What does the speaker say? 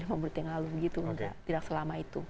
tiga puluh lima menit yang lalu tidak selama itu